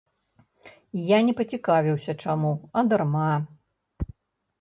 Я не пацікавіўся, чаму, а дарма.